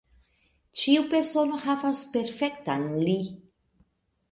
Ĉiu persono havas perfektan "li".